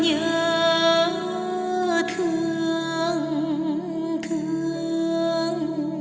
nhớ nhớ thương thương